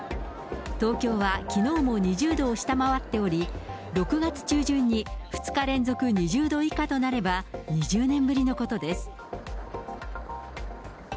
東京はきのうも２０度を下回っており、６月中旬に２日連続２０度以下となれば、２０年ぶりのことです。